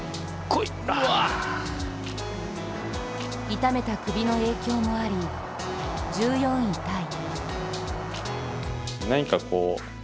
痛めた首の影響もあり、１４位タイ。